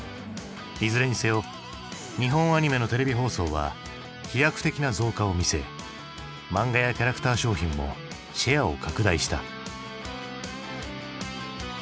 いずれにせよ日本アニメのテレビ放送は飛躍的な増加を見せ漫画やキャラクター商品もシェアを拡大した。